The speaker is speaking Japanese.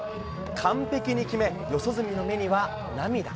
完璧に決め、四十住の目には涙。